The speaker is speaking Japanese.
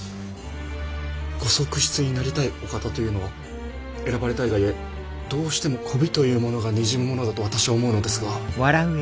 ご側室になりたいお方というのは選ばれたいがゆえどうしても媚びというものがにじむものだと私は思うのですが。